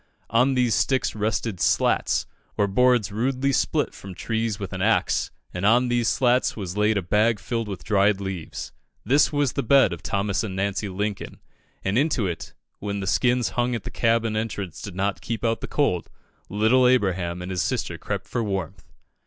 On these sticks rested "slats," or boards rudely split from trees with an axe, and on these slats was laid a bag filled with dried leaves. This was the bed of Thomas and Nancy Lincoln, and into it when the skins hung at the cabin entrance did not keep out the cold little Abraham and his sister crept for warmth.